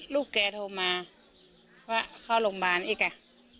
พี่อยากมาหามาเจาเนี่ย